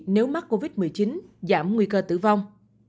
nếu mắc covid một mươi chín giảm nguy cơ tử vong